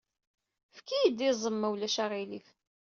Efk-iyi-d iẓem, ma ulac aɣilif.